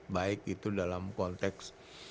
baik itu dalam konteks